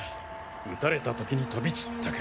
撃たれた時に飛び散ったか。